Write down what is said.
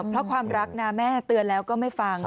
เพราะความรักนะแม่เตือนแล้วก็ไม่ฟัง